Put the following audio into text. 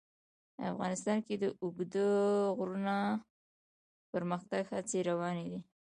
افغانستان کې د اوږده غرونه د پرمختګ هڅې روانې دي.